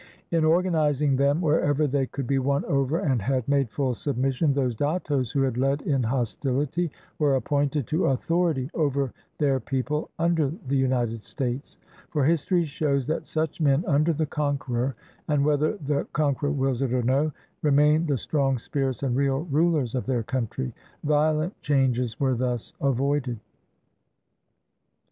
In organizing them, wherever they could be won over and had made full submission, those dattos who had led in hostility were appointed to authority over their people under the United States; for history shows that such men, under the conqueror, and whether the con queror wills it or no, remain the strong spirits and real rulers of their country. Violent changes were thus avoided.